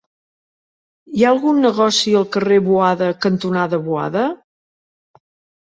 Hi ha algun negoci al carrer Boada cantonada Boada?